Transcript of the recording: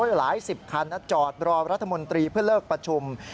หลายสิบคันจอดรอรัฐมนตรีเพื่อเลิกประชุม